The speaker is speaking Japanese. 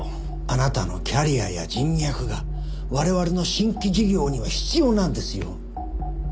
あなたのキャリアや人脈が我々の新規事業には必要なんですよ。